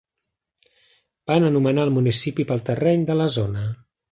Van anomenar el municipi pel terreny de la zona.